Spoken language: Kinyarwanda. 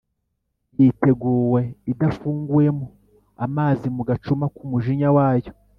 yiteguwe idafunguwemo amazi mu gacuma k’umujinya wayo.